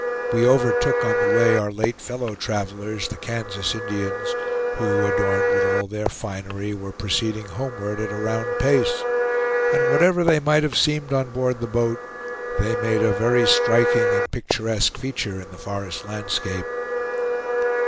We overtook on the way our late fellow travelers, the Kansas Indians, who, adorned with all their finery, were proceeding homeward at a round pace; and whatever they might have seemed on board the boat, they made a very striking and picturesque feature in the forest landscape.